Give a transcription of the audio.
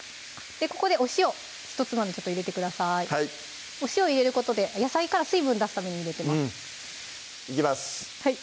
ここでお塩ひとつまみ入れてくださいお塩入れることで野菜から水分出すために入れてますいきます